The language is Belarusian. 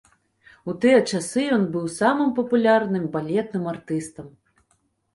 У тыя часы ён быў самым папулярным балетным артыстам.